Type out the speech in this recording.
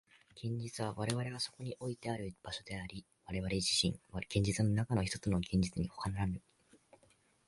現実は我々がそこにおいてある場所であり、我々自身、現実の中のひとつの現実にほかならぬ。